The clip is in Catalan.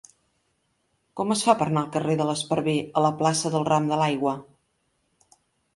Com es fa per anar del carrer de l'Esparver a la plaça del Ram de l'Aigua?